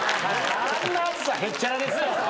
あんな熱さへっちゃらですよ！